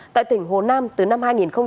tại tỉnh hồ nam từ năm hai nghìn một mươi